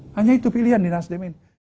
hanya itu pilihan di nasdemen